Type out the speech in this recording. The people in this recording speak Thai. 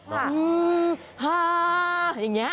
ฮ่าอย่างนี้